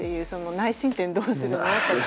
「内申点どうするの？」とか。